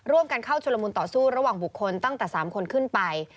ร่วมกันเข้าชุลมุนต่อสู้ระหว่างบุคคลตั้งแต่๓คนขึ้นไป